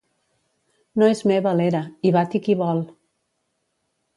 No és meva l'era; hi bati qui vol.